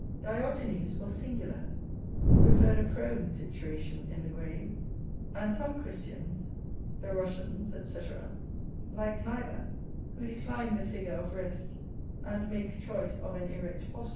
Diogenes was singular, who preferred a prone situation in the grave; and some Christians[BN] like neither, who decline the figure of rest, and make choice of an erect posture.